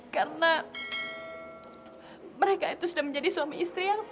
karena mereka itu sudah menjadi suami istri yang sah